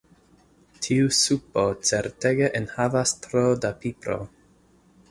Tiu supo certege enhavas tro da pipro.